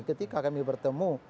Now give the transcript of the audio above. ketika kami bertemu